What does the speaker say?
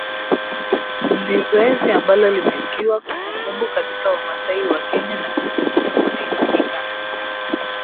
ni zoezi ambalo limetiwa kumbukumbu katika Wamasai wa Kenya na Tanzania Kuna imani kati